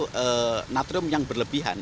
itu natrium yang berlebihan